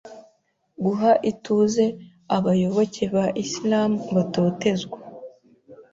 guha ituze abayoboke ba Islam batotezwa,